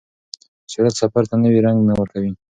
سرعت سفر ته نوی رنګ نه ورکوي.